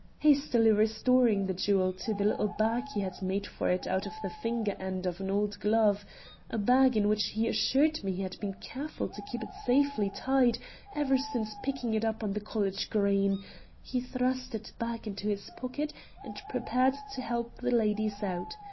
Hastily restoring the jewel to the little bag he had made for it out of the finger end of an old glove, a bag in which he assured me he had been careful to keep it safely tied ever since picking it up on the college green, he thrust it back into his pocket and prepared to help the ladies out.